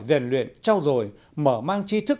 rèn luyện trao dồi mở mang chi thức